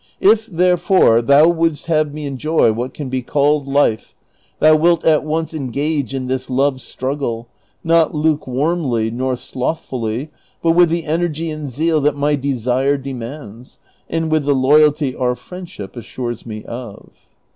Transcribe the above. If, therefore, thou wouldst have me enjoy what can be called life, thou wilt at once engage in this love struggle, not lukewarmly nor slothfully, but with the energy and zeal that my desire demands, and with the loyalty our friendship assures me of."